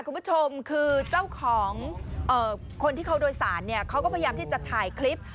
คุณผู้ชมก็คือเขาจะพยายามกลับไปถ่ายคริป